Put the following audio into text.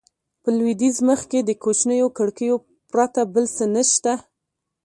په لوېدیځ مخ کې د کوچنیو کړکیو پرته بل څه نه شته.